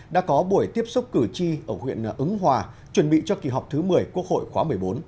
đã có buổi tiếp xúc cử tri ở huyện ứng hòa chuẩn bị cho kỳ họp thứ một mươi quốc hội khóa một mươi bốn